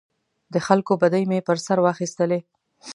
د خلکو بدۍ مې پر سر واخیستلې.